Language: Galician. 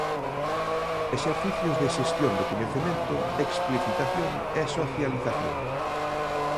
Exercicios de xestión do coñecemento, explicitación e socialización.